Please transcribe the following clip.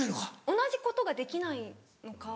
同じことができないのか。